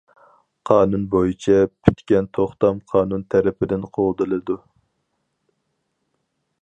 قانۇن بويىچە پۈتكەن توختام قانۇن تەرىپىدىن قوغدىلىدۇ.